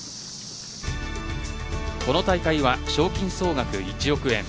この大会は賞金総額１億円